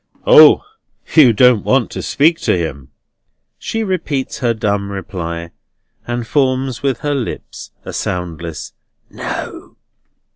"O! you don't want to speak to him?" She repeats her dumb reply, and forms with her lips a soundless "No."